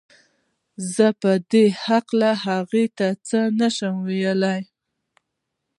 زه په دې هکله هغې ته څه نه شم ويلی